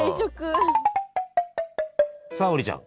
さあ王林ちゃん